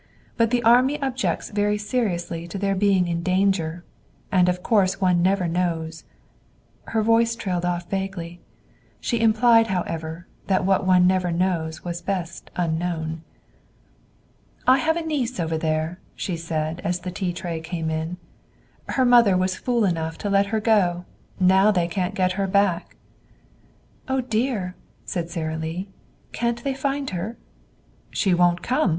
But the army objects very seriously to their being in danger. And of course one never knows " Her voice trailed off vaguely. She implied, however, that what one never knows was best unknown. "I have a niece over there," she said as the tea tray came in. "Her mother was fool enough to let her go. Now they can't get her back." "Oh, dear!" said Sara Lee. "Can't they find her?" "She won't come.